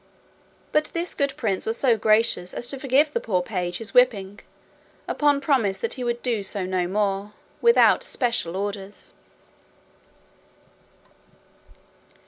But this good prince was so gracious as to forgive the poor page his whipping, upon promise that he would do so no more, without special orders.